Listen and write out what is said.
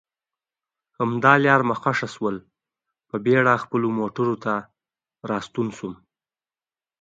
همدا لار مې خوښه شول، په بېړه خپلو موټرو ته راستون شوم.